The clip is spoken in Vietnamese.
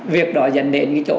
việc đó dành đến cái chỗ